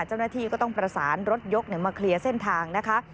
เจ้าหน้าที่ก็ต้องประสานรถยกมาเคลียร์เส้นทางนะคะ